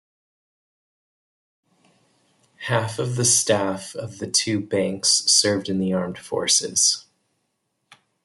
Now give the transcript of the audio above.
Half of the staff of the two banks served in the armed forces.